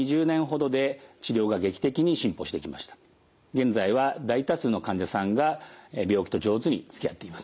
現在は大多数の患者さんが病気と上手につきあっています。